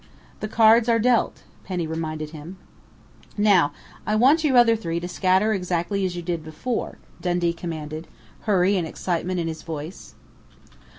"The cards are 'dealt'," Penny reminded him. "Now I want you other three to scatter exactly as you did before," Dundee commanded, hurry and excitement in his voice.